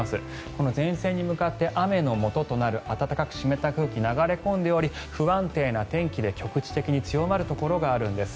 この前線に向かって雨のもととなる暖かく湿った空気が流れ込んでおり、不安定な天気で局地的に強まるところがあるんです。